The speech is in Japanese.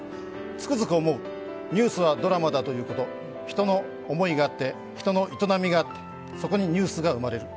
つくづく思う、ニュースはドラマだということ、人の思いがあって、人の営みがあってそこにニュースが生まれる。